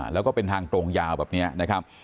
แล้วก็เป็นทางตรงยาวแบบนี้นะครับ